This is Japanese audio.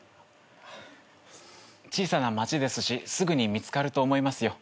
小さな町ですしすぐに見つかると思いますよ。